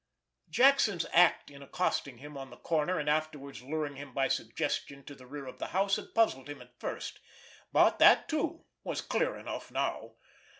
Jackson's act in accosting him on the corner, and afterwards luring him by suggestion to the rear of the house, had puzzled him at first, but that, too, was clear enough now.